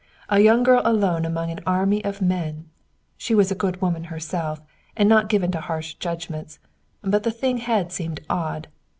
A young girl alone among an army of men! She was a good woman herself, and not given to harsh judgments, but the thing had seemed odd.